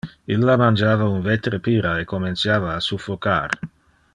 Illa mangiava un vetere pira e comenciava a suffocar.